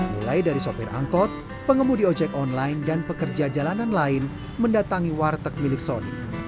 mulai dari sopir angkot pengemudi ojek online dan pekerja jalanan lain mendatangi warteg milik soni